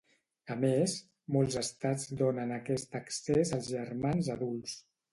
A més, molts estats donen aquest accés als germans adults.